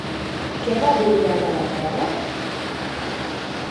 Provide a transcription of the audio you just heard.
Què va brollar de la terra?